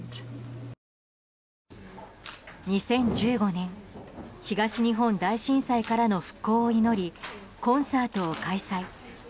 ２０１５年東日本大震災からの復興を祈りコンサートを開催。